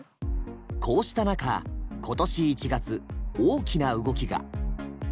こうした中今年１月大きな動きが。